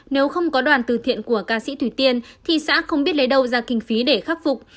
nếu không có đoàn từ thiện của ca sĩ thủy tiên thì xã không biết lấy đâu ra kinh phí để khắc phục